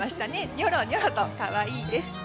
ニョロニョロと可愛いです。